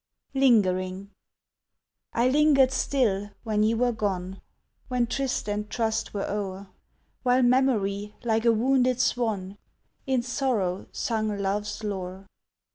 LINGERING I lingered still when you were gone, When tryst and trust were o'er, While memory like a wounded swan In sorrow sung love's lore.